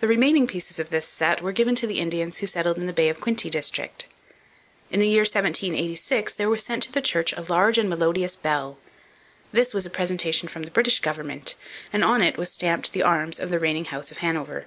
The remaining pieces of this set were given to the Indians who settled in the Bay of Quinte district. In the year 1786 there was sent to the church a large and melodious bell. This was a presentation from the British government, and on it was stamped the arms of the reigning House of Hanover.